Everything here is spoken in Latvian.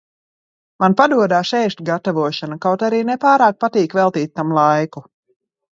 Man padodas ēst gatavošana, kaut arī ne pārāk patīk veltīt tam laiku.